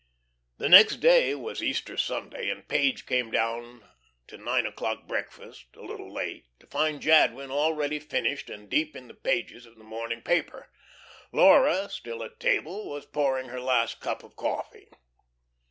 The next day was Easter Sunday, and Page came down to nine o'clock breakfast a little late, to find Jadwin already finished and deep in the pages of the morning paper. Laura, still at table, was pouring her last cup of coffee.